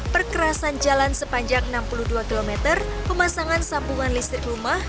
perkerasan jalan sepanjang enam puluh dua km pemasangan sambungan listrik rumah